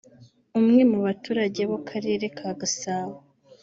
umwe mu baturage bo karere ka Gasabo